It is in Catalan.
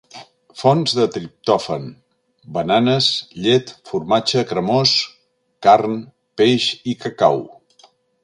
Fonts de triptòfan: bananes, llet, formatge cremós, carn, peix i cacau.